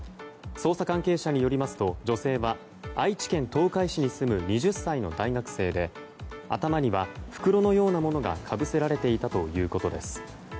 捜査関係者によりますと女性は愛知県東海市に住む２０歳の大学生で頭には袋のようなものがかぶせられていたということです。